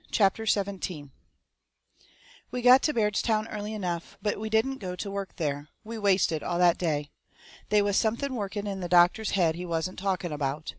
CHAPTER XVII We got to Bairdstown early enough, but we didn't go to work there. We wasted all that day. They was something working in the doctor's head he wasn't talking about.